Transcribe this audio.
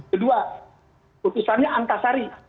kedua putusannya angkasari